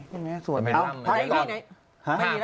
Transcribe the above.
เออไปไหนเอ้าไปไหน